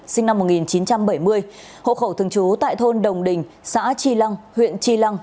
sinh năm một nghìn chín trăm bảy mươi hộ khẩu thường trú tại thôn đồng đình xã tri lăng huyện tri lăng